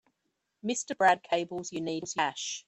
Mr. Brad cables you need cash.